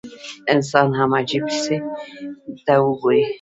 انسان هم عجیب شی دی ته وګوره.